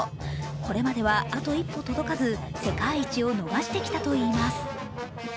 これまではあと一歩届かず世界一を逃してきたといいます。